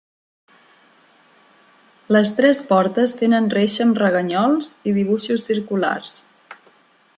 Les tres portes tenen reixa amb reganyols i dibuixos circulars.